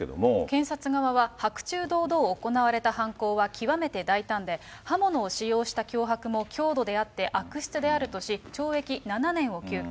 検察側は、白昼堂々行われた犯行は極めて大胆で、刃物を使用した脅迫も、強度であって悪質であるとし、懲役７年を求刑。